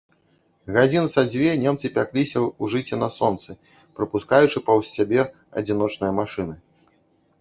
Гадзін са дзве немцы пякліся ў жыце на сонцы, прапускаючы паўз сябе адзіночныя машыны.